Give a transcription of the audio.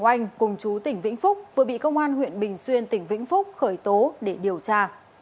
trần trường oanh cùng chú tỉnh vĩnh phúc vừa bị công an huyện bình xuyên tỉnh vĩnh phúc khởi tố để điều tra